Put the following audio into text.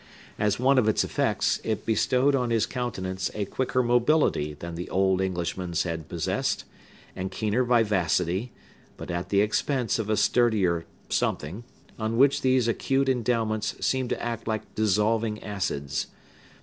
As one of its effects, it bestowed on his countenance a quicker mobility than the old Englishman's had possessed, and keener vivacity, but at the expense of a sturdier something, on which these acute endowments seemed to act like dissolving acids.